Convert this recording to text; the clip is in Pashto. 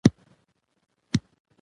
اوښ د افغانستان د سیاسي جغرافیه برخه ده.